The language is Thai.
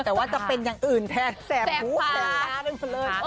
แต่ว่าจะเป็นอย่างอื่นแท้แสบหูแสบล้านึงเสริม